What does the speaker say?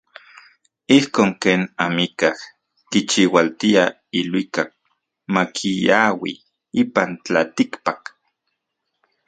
Ijkon ken amikaj kichiualtia iluikak makiaui ipan tlatikpak.